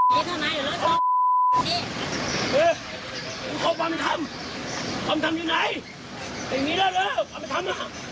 มันออกมาควายไม่ได้คำขอบใคร